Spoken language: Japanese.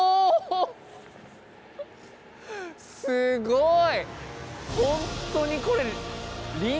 すごい！